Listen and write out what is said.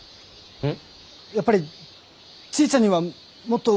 うん。